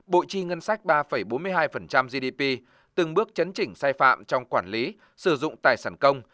bộ chi ngân sách ba bốn mươi hai gdp từng bước chấn chỉnh sai phạm trong quản lý sử dụng tài sản công